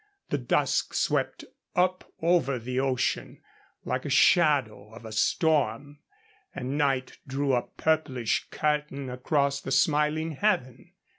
The dusk swept up over the ocean like the shadow of a storm, and night drew a purplish curtain across the smiling heaven.